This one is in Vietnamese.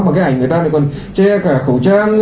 mà cái ảnh người ta còn che cả khẩu trang